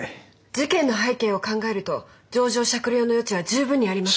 事件の背景を考えると情状酌量の余地は十分にあります。